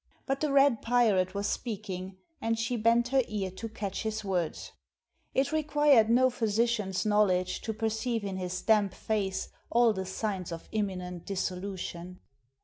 But the red pirate was speaking, and she bent her ear to catch his words. It required no physician's knowledge to perceive in his damp face all the signs of imminent dissolution.